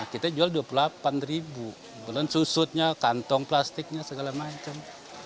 kita jual rp dua puluh delapan bulan susutnya kantong plastiknya segala macam